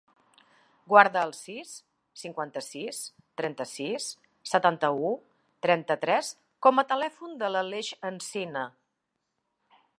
Guarda el sis, cinquanta-sis, trenta-sis, setanta-u, trenta-tres com a telèfon de l'Aleix Encina.